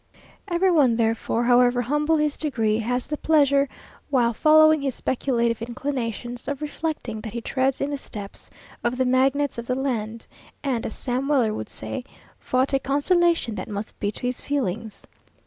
Every one, therefore, however humble his degree, has the pleasure, while following his speculative inclinations, of reflecting that he treads in the steps of the magnates of the land; and, as Sam Weller would say, "Vot a consolation that must be to his feelings!"